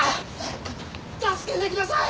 助けてください！